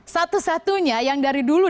satu satunya yang dari dulu